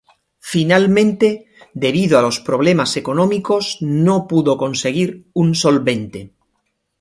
Finalmente, debido a los problemas económicos no pudo conseguir un solvente.